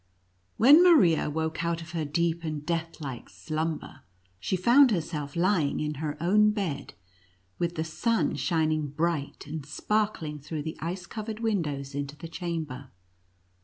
When Maria woke out of her deep and deathlike slumber, she found herself lying in her own bed, with the sun shining bright and spark ling through the ice covered windows into the chamber.